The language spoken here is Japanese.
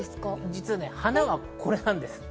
実は花は、これなんです。